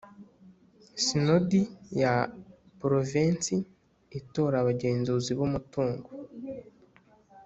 Sinodi ya Porovensi itora abagenzuzi b umutungo